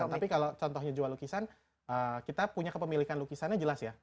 tapi kalau contohnya jual lukisan kita punya kepemilikan lukisannya jelas ya